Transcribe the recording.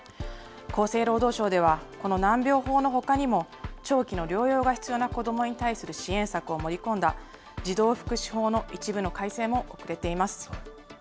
厚生労働省では、この難病法のほかにも、長期の療養が必要な子どもに対する支援策を盛り込んだ、児童福祉法の一部の改正も遅れています。